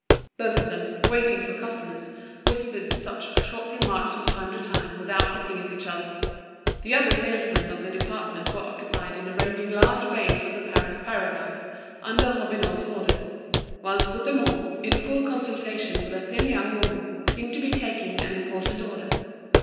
Both of them, waiting for customers, whispered such short remarks from time to time without looking at each other. The other salesmen of the department were occupied in arranging large bales of the Paris Paradise under Robineau's orders; whilst Bouthemont, in full consultation with a thin young woman, seemed to be taking an important order.